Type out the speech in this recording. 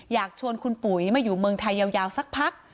อยากชวนคุณปุ๋ยมาอยู่เมืองไทยยาวสักพัก